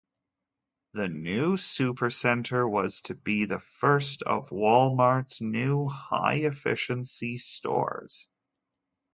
The new Supercenter was to be the first of Wal-mart's new "high-efficiency" stores.